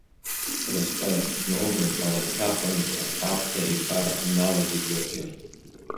Сразҟы, сноуган алакҭа аҟынӡа, аԥҭа еиқәара уналаӡит уаргьы.